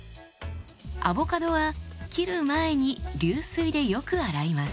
アボカドは切る前に流水でよく洗います。